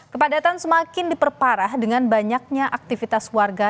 kepadatan semakin diperparah dengan banyaknya aktivitas warga